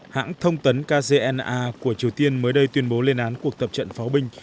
hãng thông tấn kzna của triều tiên mới đây tuyên bố lên án cuộc tập trận pháo binh